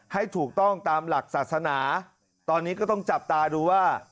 ให้ถูกต้องตามหลักศาสนาตอนนี้ก็ต้องจับตาดูว่า